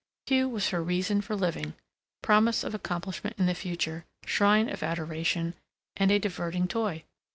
Hugh was her reason for living, promise of accomplishment in the future, shrine of adoration and a diverting toy.